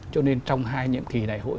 cho nên trong hai nhiệm kỳ đại hội